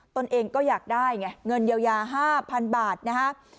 ตนเองก็อยากได้ไงเงินเยียวยา๕๐๐๐บาทนะฮะ